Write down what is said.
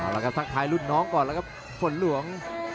แล้วก็สักท้ายรุ่นน้องก่อนแล้วก็ฝนหลวง